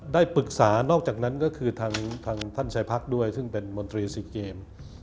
ได้ปรึกษานอกจากนั้นก็คือทางท่านชายพักด้วยซึ่งเป็นมนตรี๔เกม